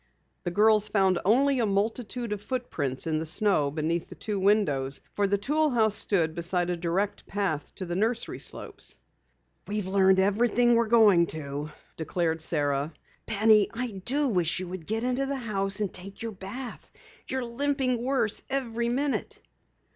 The girls found only a multitude of footprints in the snow beneath the two windows, for the tool house stood beside a direct path to the nursery slopes. "We've learned everything we're going to," declared Sara. "Penny, I do wish you would get into the house and take your bath. You're limping worse every minute."